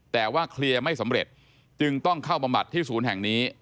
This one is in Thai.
แต่ว่าเคลียร์ไม่สำเร็จจึงต้องเข้าบำบัดที่ศูนย์แห่งนี้